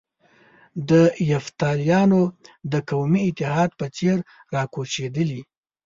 د یفتلیانو د قومي اتحاد په څېر را کوچېدلي.